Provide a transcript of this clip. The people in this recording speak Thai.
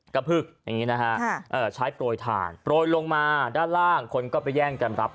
กระพึกใช้โปรยธานโปรยลงมาด้านล่างคนก็ไปแย่งกันรับ